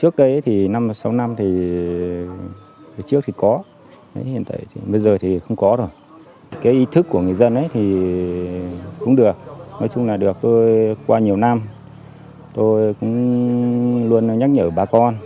cái ý thức của người dân ấy thì cũng được nói chung là được tôi qua nhiều năm tôi cũng luôn nhắc nhở bà con